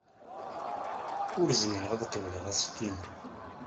Ur zmireɣ ad qebleɣ asefk-nnem.